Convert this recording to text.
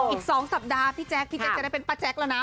อีก๒สัปดาห์พี่แจ๊คพี่แจ๊คจะได้เป็นป้าแจ๊คแล้วนะ